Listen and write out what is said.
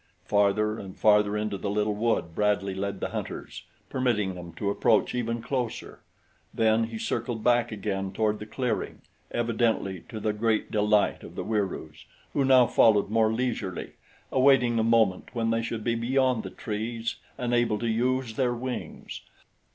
Farther and farther into the little wood Bradley led the hunters, permitting them to approach ever closer; then he circled back again toward the clearing, evidently to the great delight of the Wieroos, who now followed more leisurely, awaiting the moment when they should be beyond the trees and able to use their wings.